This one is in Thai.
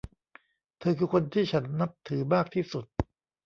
เธอคือคนที่ฉันนับถือมากที่สุด